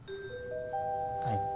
はい。